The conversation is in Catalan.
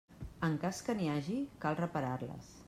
En cas que n'hi hagi, cal reparar-les.